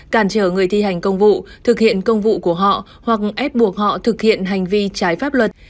cản trở người thi hành công vụ thực hiện công vụ của họ hoặc ép buộc họ thực hiện hành vi trái pháp luật